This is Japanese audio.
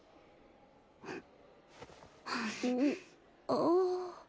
ああ。